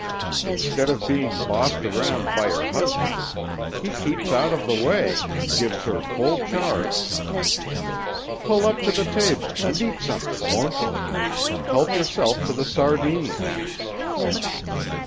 Instead of being bossed around by her husband, he keeps out of the way and gives her full charge. Pull up to the table and eat something, won't you? Help yourself to the sardines."